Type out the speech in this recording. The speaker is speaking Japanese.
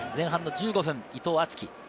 前半１５分、伊藤敦樹。